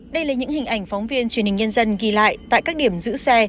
đây là những hình ảnh phóng viên truyền hình nhân dân ghi lại tại các điểm giữ xe